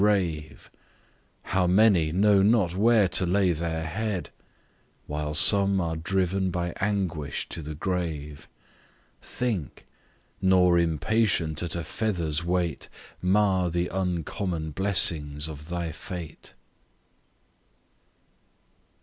rave: How many know not where to lay their head; While some are driven by anguish to the grave! Think; nor impatient at a feather's weight, Mar the uncommon blessings of thy fate!